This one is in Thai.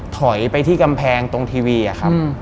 ถอยไปที่กำแพงตรงทีวีอะครับ